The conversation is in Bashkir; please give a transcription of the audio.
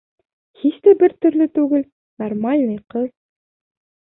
Һис тә бер төрлө түгел, нормальный ҡыҙ.